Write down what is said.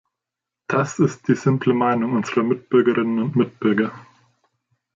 Das ist die simple Meinung unserer Mitbürgerinnen und Mitbürger.